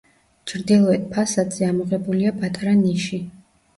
ჩრდილოეთ ფასადზე ამოღებულია პატარა ნიში.